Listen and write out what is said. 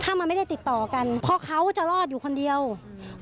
ถ้ามันไม่ได้ติดต่อกันเพราะเขาจะรอดอยู่คนเดียวอืม